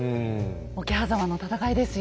桶狭間の戦いですよ。